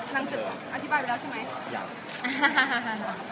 นางสือพิมพ์อธิบายไปแล้วใช่ไหม